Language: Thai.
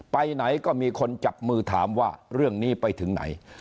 ไปไหนก็มีคนจับมือถามว่าเรื่องนี้ไปถึงไหน